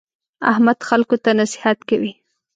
احمد خلکو ته نصیحت کوي.